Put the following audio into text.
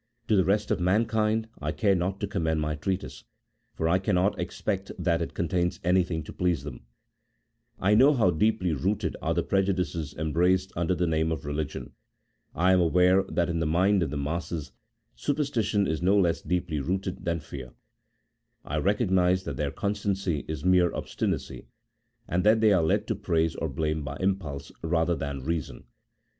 To the rest of mankind I care not to commend my treatise, for I cannot expect that it contains anything to please them : I know how deeply rooted are the prejudices embraced under the name of religion ; I am aware that in the mind of the masses superstition is no less deeply rooted than fear ; I recognize that their constancy is mere obsti nacy, and that they are led to praise or blame by impulse rather than reason.